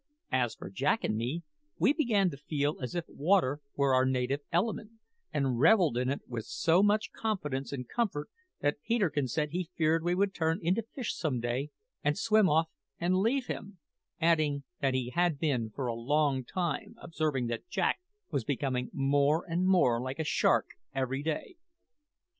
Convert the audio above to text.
As for Jack and me, we began to feel as if water were our native element, and revelled in it with so much confidence and comfort that Peterkin said he feared we would turn into fish some day and swim off and leave him, adding that he had been for a long time observing that Jack was becoming more and more like a shark every day.